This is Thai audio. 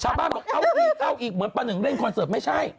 เฉพาะเอาอีกเหมือนประหนึ่งเล่นคอนเสิร์ฟไม่ใช่